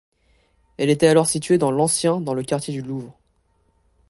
Elle était alors située dans l'ancien dans le quartier du Louvre.